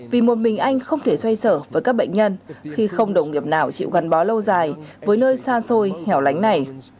vì một mình anh không thể xoay xở với các bệnh nhân khi không đồng nghiệp nào chịu gần bó lâu dài với nơi sa sôi hẻo lánh này